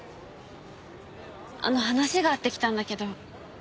あの話があって来たんだけど。